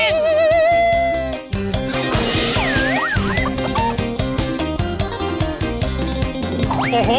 กระโภ